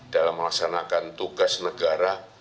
dalam melaksanakan tugas negara